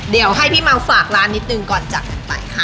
เดี๋ยวให้พี่เมาฝากร้านนิดนึงก่อนจากกันไปค่ะ